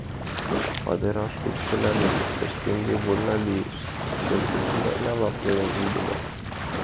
— Падыраш, лек, тыланет тыште ынде вольна лиеш, — четлык ӱмбакна лап лийын вудымата.